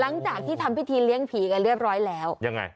หลังจากที่ทำพิธีเลี้ยงผีกันเรียบร้อยแล้วยังไง